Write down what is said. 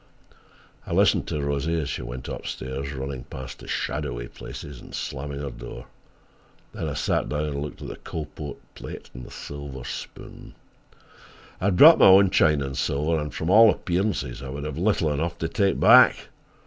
I listened to Rosie as she went up stairs, running past the shadowy places and slamming her door. Then I sat down and looked at the Coalport plate and the silver spoon. I had brought my own china and silver, and, from all appearances, I would have little enough to take back.